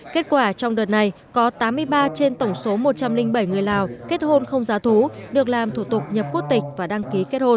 kết quả trong đợt này có tám mươi ba trên tổng số một trăm linh bảy người lào kết hôn không giá thú được làm thủ tục nhập quốc tịch và đăng ký kết hôn